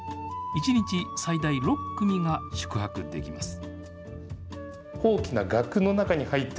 １日最大６組が宿泊できます。